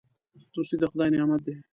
دوستي د خدای نعمت دی.